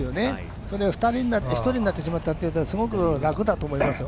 それが２人になって１人になってしまったというのは楽だと思いますよ。